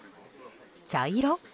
茶色？